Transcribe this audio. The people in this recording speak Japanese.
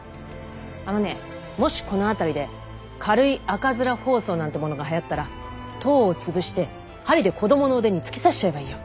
あのねもしこの辺りで軽い赤面疱瘡なんてものがはやったら痘を潰して針で子どもの腕に突き刺しちゃえばいいよ。